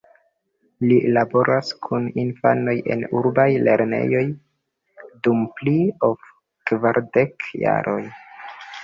Li laboras kun infanoj en urbaj lernejoj dum pli ol kvardek jaroj.